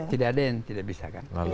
tidak ada yang tidak bisa kan